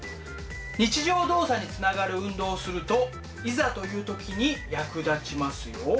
日常動作につながる運動をするといざという時に役立ちますよ。